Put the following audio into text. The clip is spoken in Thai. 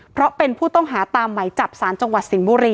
เพราะเป็นผู้ต้องหาตามไหมจับสารจังหวัดสิงห์บุรี